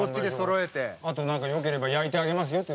あと何かよければ焼いてあげますよって裏で。